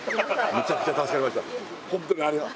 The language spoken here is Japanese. むちゃくちゃ助かりました